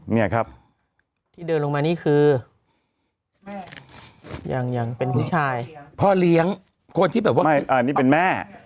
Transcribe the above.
เนี่ยครับที่เดินลงมานี่คือแม่ยังเป็นผู้ชายพ่อเลี้ยงคนที่แบบว่านี่เป็นแม่